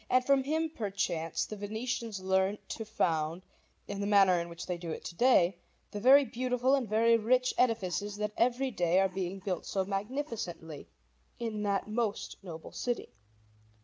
And from him, perchance, the Venetians learnt to found, in the manner in which they do it to day, the very beautiful and very rich edifices that every day are being built so magnificently in that most noble city.